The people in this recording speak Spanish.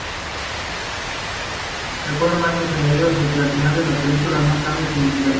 Fueron añadidos más hacia el final de la película más cambios significativos.